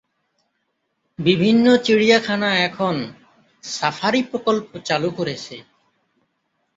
বিভিন্ন চিড়িয়াখানা এখন সাফারি প্রকল্প চালু করেছে।